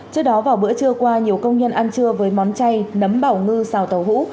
trước đó vào bữa trưa qua nhiều công nhân ăn trưa với món chay nấm bảo ngư xào tàu hũ